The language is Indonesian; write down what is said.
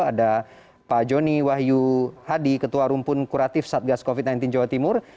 ada pak joni wahyu hadi ketua rumpun kuratif satgas covid sembilan belas jawa timur